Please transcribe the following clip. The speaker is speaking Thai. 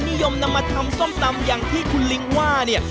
นิยมนำมาทำส้มตำอย่างที่คุณลิงว่าเนี่ย